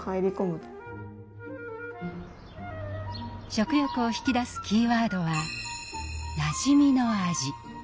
食欲を引き出すキーワードは「なじみの味」。